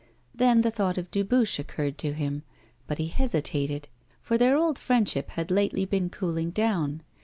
Then the thought of Dubuche occurred to him, but he hesitated, for their old friendship had lately been cooling down.